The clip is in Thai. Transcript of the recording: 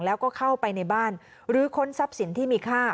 แล้วก็เข้าไปในบ้านหรือค้นทรัพย์สินที่มีค่า